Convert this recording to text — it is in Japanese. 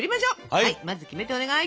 はいまずキメテお願い。